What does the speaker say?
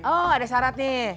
oh ada syaratnya